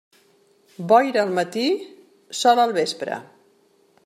Boira al matí, sol al vespre.